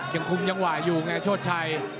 ยังคุมจังหวะอยู่ไงโชชัย